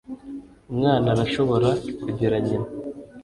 umwana arashobora kugira nyina